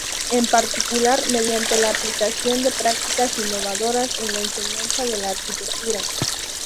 En particular mediante la aplicación de prácticas innovadoras en la enseñanza de la arquitectura.